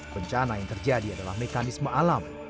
bencana yang terjadi adalah mekanisme alam